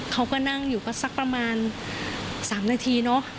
เขาก็นั่งอยู่ก็สักประมาณ๓นาทีเนอะ